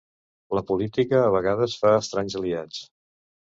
La política a vegades fa estranys aliats.